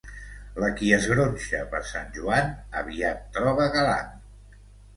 La qui es gronxa per Sant Joan, aviat troba galant.